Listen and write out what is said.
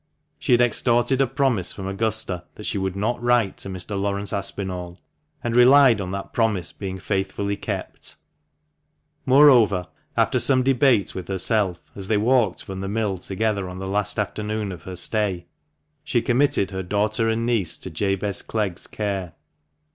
She had extorted a promise from Augusta that she would not write to Mr. Laurence Aspinall, and relied on that promise being faithfully kept Moreover, after some debate with herself, as they walked from the mill together on the last afternoon of her stay, she committed her daughter and niece to Jabez Clegg's care.